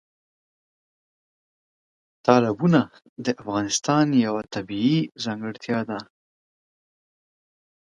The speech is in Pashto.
تالابونه د افغانستان یوه طبیعي ځانګړتیا ده.